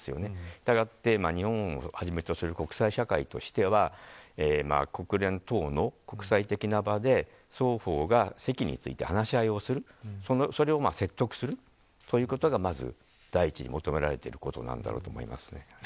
したがって、日本をはじめとする国際社会としては国連等の国際的な場で双方が席について話し合いをする説得するということが第一に求められていることだと思います。